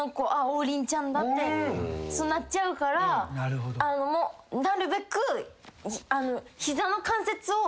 王林ちゃんだ」ってそうなっちゃうからなるべく。